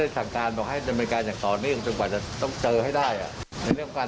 จริงดีกว่า